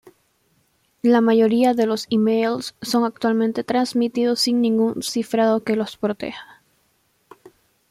La mayoría de los emails son actualmente transmitidos sin ningún cifrado que los proteja.